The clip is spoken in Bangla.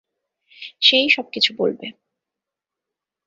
সে-ই সবকিছু বলবে!